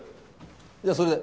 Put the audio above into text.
じゃあそれで。